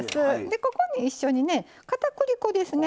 ここに一緒にねかたくり粉ですね。